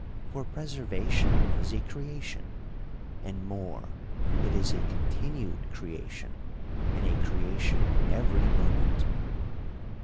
For preservation is a creation ; and more, it is a continued creation, and a creation every mo ment.